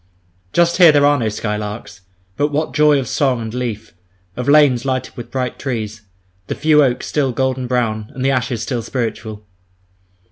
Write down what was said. Just here there are no skylarks, but what joy of song and leaf; of lanes lighted with bright trees, the few oaks still golden brown, and the ashes still spiritual!